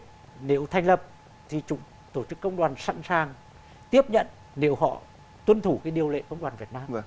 nếu thành lập thì tổ chức công đoàn sẵn sàng tiếp nhận nếu họ tuân thủ cái điều lệ công đoàn việt nam